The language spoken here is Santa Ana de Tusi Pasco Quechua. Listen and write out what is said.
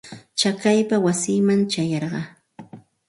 Chakaypa wasiiman ćhayarqaa.